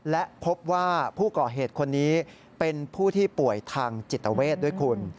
และพบว่าผู้ก่อเหตุคนนี้เป็นผู้ที่ป่วยทางจิตเวทด้วยคุณ